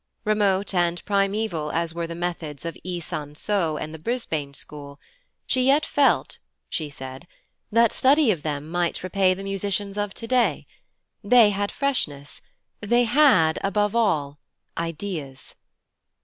Remote and primćval as were the methods of I San So and the Brisbane school, she yet felt (she said) that study of them might repay the musicians of today: they had freshness; they had, above all, ideas.